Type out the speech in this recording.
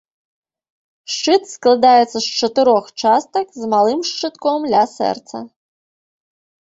Шчыт складаецца з чатырох частак, з малым шчытком ля сэрца.